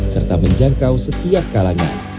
serta menjangkau setiap kalangan